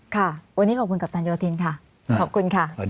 ค่ะวันนี้ขอบคุณกัปตันโยธินค่ะขอบคุณค่ะ